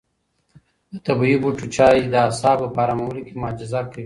د طبیعي بوټو چای د اعصابو په ارامولو کې معجزه کوي.